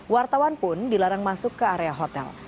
wartawan pun dilarang masuk ke area hotel